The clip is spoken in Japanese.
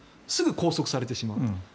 すぐに拘束されてしまう。